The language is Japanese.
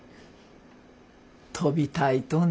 飛びたいとね。